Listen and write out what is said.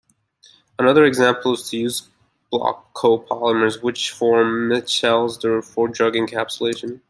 Another example is to use block co-polymers, which form micelles for drug encapsulation.